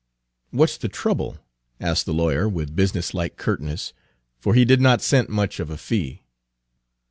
"What 's the trouble?" asked the lawyer, with business like curtness, for he did not scent much of a fee.